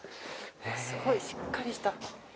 すごいしっかりした。